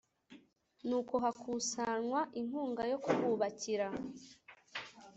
nuko hakusanywa inkunga yo kububakira